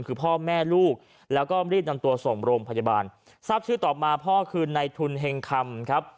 คือพ่อแม่ลูกแล้วก็รีบนำตัวส่งโรงพยาบาลทราบชื่อต่อมาพ่อคือในทุนเห็งคำครับ